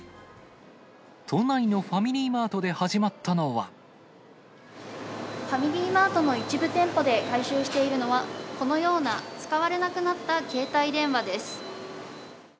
都内のファミリーマートで始ファミリーマートの一部店舗で回収しているのは、このような使われなくなった携帯電話です。